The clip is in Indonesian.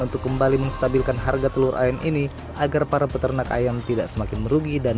untuk kembali menstabilkan harga telur ayam ini agar para peternak ayam tidak semakin merugi dan